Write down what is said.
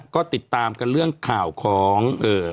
ก็ติดตามกันเรื่องข่าวของ